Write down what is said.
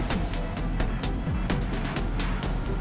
tapi lo tau gak